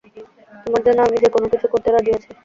তোমার জন্য আমি যে কোনো কিছু করতে রাজী আছি।